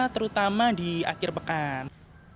terutama di akhir pekan